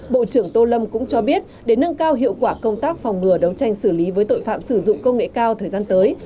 bộ trưởng tô lâm cũng cho biết để nâng cao hiệu quả công tác phòng ngừa đấu tranh xử lý với tội phạm sử dụng công nghệ cao thời gian tới